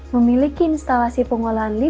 memiliki instalasi pengolahan